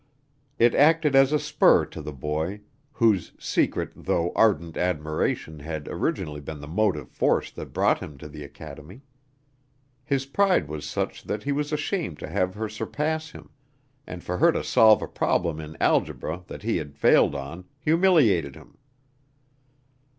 It acted as a spur to the boy, whose secret though ardent admiration had originally been the motive force that brought him to the academy. His pride was such that he was ashamed to have her surpass him, and for her to solve a problem in algebra that he had failed on, humiliated him.